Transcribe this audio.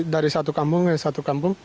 dari satu kampung satu kampung